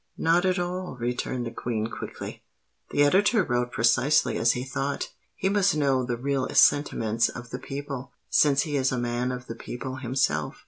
"Not at all," returned the Queen, quickly; "the Editor wrote precisely as he thought. He must know the real sentiments of the people, since he is a man of the people himself.